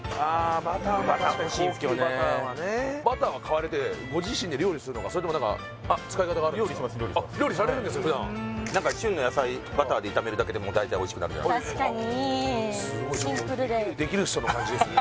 高級バターはねバターは買われてご自身で料理するのかそれとも何か料理されるんですか普段旬の野菜バターで炒めるだけでも大体おいしくなるじゃないですかできる人の感じですね